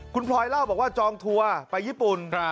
คุณพลอยเล่าบอกว่าจองทัวร์ไปญี่ปุ่น